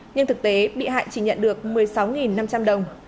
nhưng thực tế bị hại chỉ nhận được một mươi sáu năm trăm linh đồng